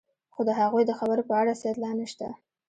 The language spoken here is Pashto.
خو د هغوی د خبرو په اړه څه اطلاع نشته.